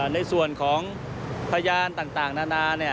ในส่วนของพยานต่างนานา